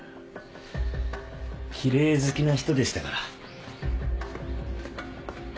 奇麗好きな人でしたから。